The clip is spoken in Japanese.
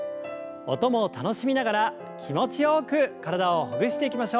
音も楽しみながら気持ちよく体をほぐしていきましょう。